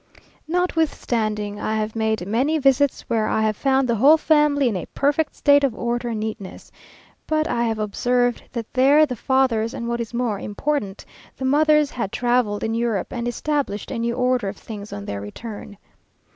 Notwithstanding, I have made many visits where I have found the whole family in a perfect state of order and neatness, but I have observed that there the fathers, and what is more important, the mothers, had travelled in Europe, and established a new order of things on their return.